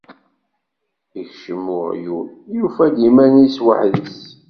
Ikcem weγyul, yufa-d iman is weḥd-s.